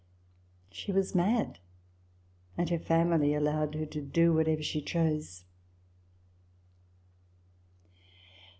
She was mad ; and her family allowed her to do whatever she chose.